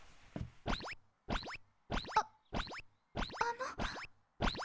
ああの？